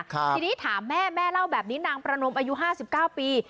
ทีนี้ถามแม่แม่เล่าแบบนี้นางประโนมอายุห้าสิบเก้าปี